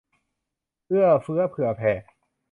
เอื้อเฟื้อเผื่อแผ่